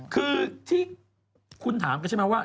คือที่คุณถามกันใช่ไหมว่า